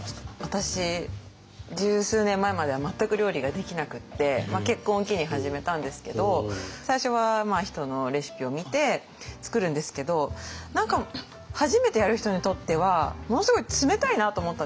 私十数年前までは全く料理ができなくって結婚を機に始めたんですけど最初は人のレシピを見て作るんですけど何か初めてやる人にとってはものすごい冷たいなと思ったんですよね。